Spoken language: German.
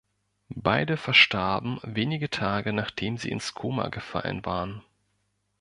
Beide verstarben wenige Tage nachdem sie ins Koma gefallen waren.